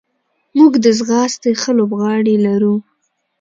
موږ د ځغاستې ښه لوبغاړي لرو.